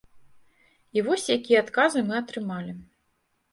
І вось якія адказы мы атрымалі.